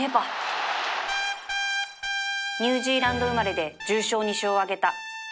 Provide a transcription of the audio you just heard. ニュージーランド生まれで重賞２勝を挙げた